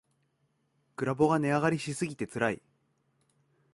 グラボが値上がりしすぎてつらい